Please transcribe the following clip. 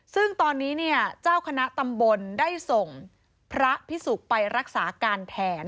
ซึ่งตอนนี้เนี่ยเจ้าคณะตำบลได้ส่งพระพิสุกไปรักษาการแทน